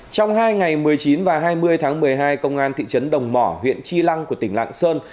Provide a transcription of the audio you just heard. trong hai ngày một mươi chín và hai mươi tháng một mươi hai công an thị trấn đồng mỏ huyện chi lăng của tỉnh lạng sơn